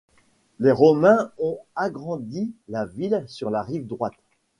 Les Romains ont agrandi la ville sur la rive droite.